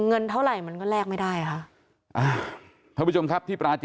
เงินเท่าไหร่มันก็แลกไม่ได้ค่ะ